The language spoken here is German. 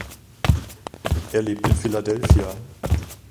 Er lebt in Philadelphia.